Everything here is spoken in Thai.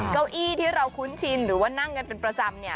เก้าอี้ที่เราคุ้นชินหรือว่านั่งกันเป็นประจำเนี่ย